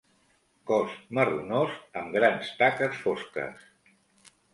Cos marronós amb grans taques fosques.